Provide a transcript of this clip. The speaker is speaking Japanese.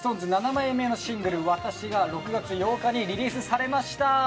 ７枚目のシングル『わたし』が６月８日にリリースされました。